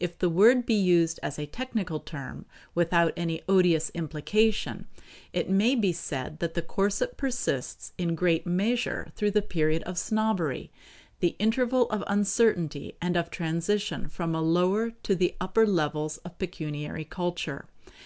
If the word be used as a technical term, without any odious implication, it may be said that the corset persists in great measure through the period of snobbery the interval of uncertainty and of transition from a lower to the upper levels of pecuniary culture.